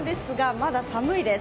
まだ寒いです。